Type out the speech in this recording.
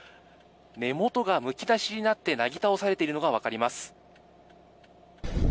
根元がむき出しになってなぎ倒されているのが分かります。